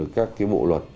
các cái bộ luật